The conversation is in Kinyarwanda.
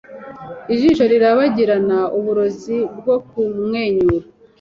Ijisho rirabagirana uburozi bwo kumwenyura